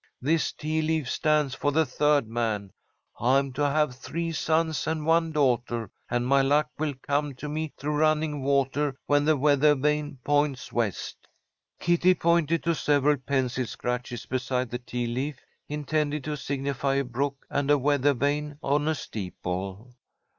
This tea leaf stands for the third man. I'm to have three sons and one daughter, and my luck will come to me through running water when the weather vane points west." Kitty pointed to several pencil scratches beside the tea leaf, intended to signify a brook and a weather vane on a steeple.